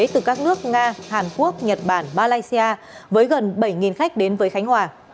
từ các nước nga hàn quốc nhật bản malaysia với gần bảy khách đến với khánh hòa